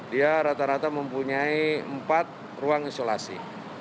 dia rata rata mempunyai empat ruang isolasi